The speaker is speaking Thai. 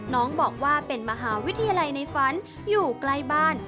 น้องบอกว่าเป็นมหาวิทยาลัยในฝันอยู่ใกล้บ้าน